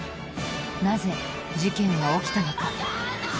なぜ事件は起きたのか？